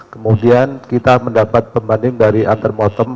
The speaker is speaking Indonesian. kemudian kita mendapat pembanding dari antemotem